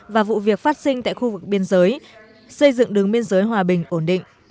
và vụ việc phát sinh tại khu vực biên giới xây dựng đường biên giới hòa bình ổn định